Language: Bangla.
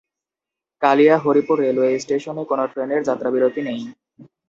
কালিয়া হরিপুর রেলওয়ে স্টেশনে কোনো ট্রেনের যাত্রাবিরতি নেই।